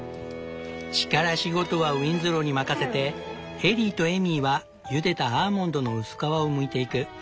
力仕事はウィンズローに任せてエリーとエイミーはゆでたアーモンドの薄皮をむいていく。